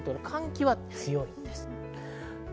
寒気は強いんです。